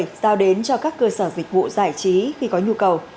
đối tượng thuê chuyển bình khí cười giao đến cho các cơ sở dịch vụ giải trí khi có nhu cầu